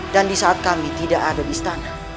dan di saat kami tidak ada di istana